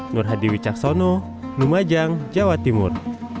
nurhadi wicaksono numajang jawa timur